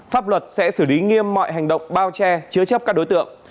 pháp luật sẽ xử lý nghiêm mọi hành động bao che chứa chấp các đối tượng